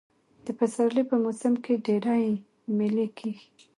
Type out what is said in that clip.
د پسرلي په موسم کښي ډېرئ مېلې کېږي.